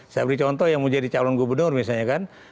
saya beri contoh yang mau jadi calon gubernur misalnya kan